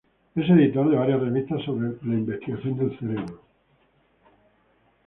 Es editor de varias revistas sobre la investigación del cerebro.